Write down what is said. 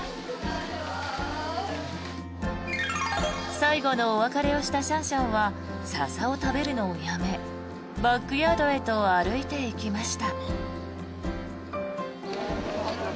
最後のお別れをしたシャンシャンはササを食べるのをやめバックヤードへと歩いていきました。